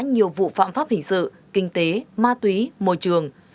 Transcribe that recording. nhiều vụ phạm pháp hình sự kinh tế ma túy môi trường